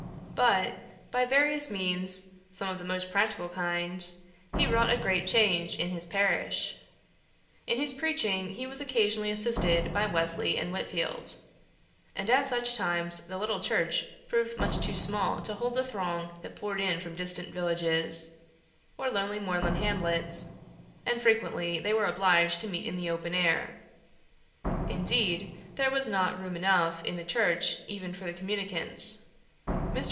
But, by various means, some of the most practical kind, he wrought a great change in his parish. In his preaching he was occasionally assisted by Wesley and Whitfield, and at such times the little church proved much too small to hold the throng that poured in from distant villages, or lonely moorland hamlets; and frequently they were obliged to meet in the open air; indeed, there was not room enough in the church even for the communicants. Mr.